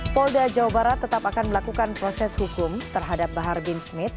polda jawa barat tetap akan melakukan proses hukum terhadap bahar bin smith